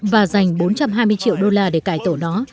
và dành bốn trăm hai mươi triệu đô la để cải tổ nó